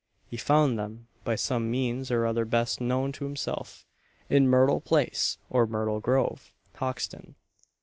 He found them, by some means or other best known to himself, in Myrtle place, or Myrtle grove, Hoxton.